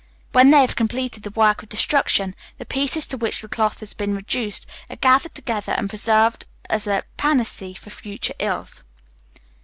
When they have completed the work of destruction, the pieces to which the cloth has been reduced, are gathered together, and preserved as a panacea for future ills."